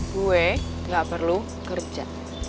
gue gak perlu kerja